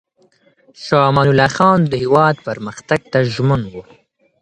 شاه امان الله خان د هېواد پرمختګ ته ژمن و.